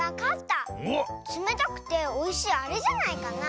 つめたくておいしいあれじゃないかな。